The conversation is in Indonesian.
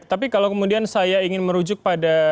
tapi kalau kemudian saya ingin merujuk pada